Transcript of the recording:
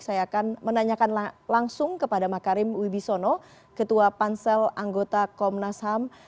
saya akan menanyakan langsung kepada makarim wibisono ketua pansel anggota komnas ham